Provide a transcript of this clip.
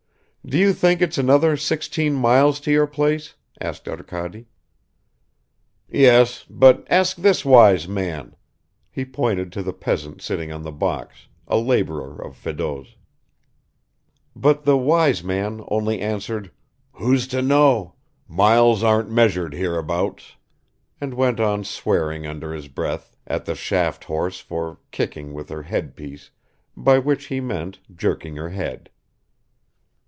"Do you think it's another sixteen miles to your place?" asked Arkady. "Yes, but ask this wise man." He pointed to the peasant sitting on the box, a laborer of Fedot's. But the wise man only answered: "Who's to know? miles aren't measured hereabouts," and went on swearing under his breath at the shaft horse for "kicking with her headpiece," by which he meant, jerking her head.